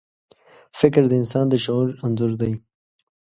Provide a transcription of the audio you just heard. فکر د انسان د شعور انځور دی.